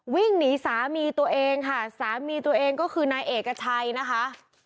วิ่งหนีสามีตัวเองค่ะสามีตัวเองก็คือนายเอกชัยนะคะ